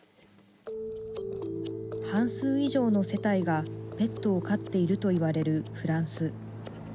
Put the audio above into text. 半数以上の世帯がペットを飼っているといわれるフランス。